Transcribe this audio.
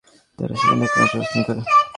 তারা সেখানে এক মাস অবস্থান করে।